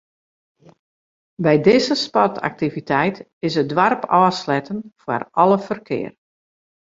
By dizze sportaktiviteit is it doarp ôfsletten foar alle ferkear.